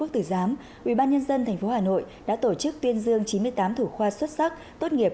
thủy giám ủy ban nhân dân thành phố hà nội đã tổ chức tuyên dương chín mươi tám thủ khoa xuất sắc tốt nghiệp